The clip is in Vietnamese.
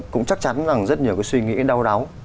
cũng chắc chắn rằng rất nhiều cái suy nghĩ đau đáu